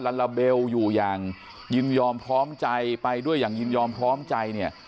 ลาลาเบลอยู่อย่างยินยอมพร้อมใจไปด้วยอย่างยินยอมพร้อมใจเนี่ย